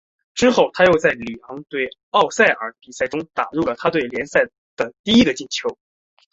之后他又在里昂对欧塞尔的比赛中打入了他的第一个联赛进球。